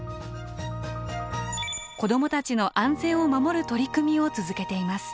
子どもたちの安全を守る取り組みを続けています。